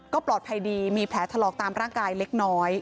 ก็ปลอดภัยดีมีแผลถลอกตามร่างกายเล็กน้อย